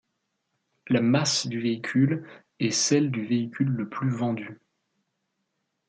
La masse du véhicule est celle du véhicule le plus vendu.